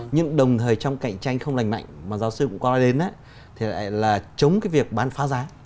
nhưng đồng thời trong cạnh tranh không lành mạnh mà giáo sư cũng có nói đến là chống cái việc bán phá giá